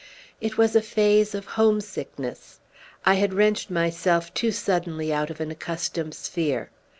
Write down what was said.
It was a phase of homesickness. I had wrenched myself too suddenly out of an accustomed sphere.